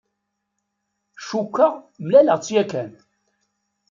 Cukkeɣ mlaleɣ-tt yakan.